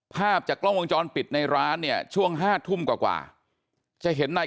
ภาพจากกล้องวงจรปิดในร้านเนี่ยช่วง๕ทุ่มกว่าจะเห็นนาย